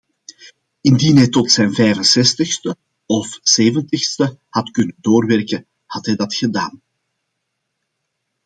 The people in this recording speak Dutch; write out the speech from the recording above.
Indien hij tot zijn vijfenzestigste of zeventigste had kunnen doorwerken, had hij dat gedaan.